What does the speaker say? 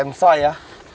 em xoay ạ